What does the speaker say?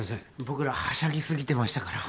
僕らはしゃぎ過ぎてましたから。